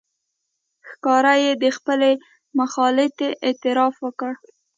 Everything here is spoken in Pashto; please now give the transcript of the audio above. ښکاره یې د خپلې مغالطې اعتراف وکړ.